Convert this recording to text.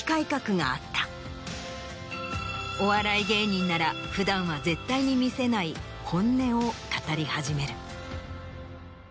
お笑い芸人なら普段は絶対に見せない本音を語り始める。